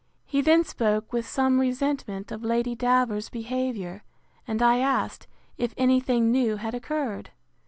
He then spoke with some resentment of Lady Davers's behaviour, and I asked, if any thing new had occurred?